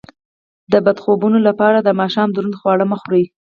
د بد خوبونو لپاره د ماښام دروند خواړه مه خورئ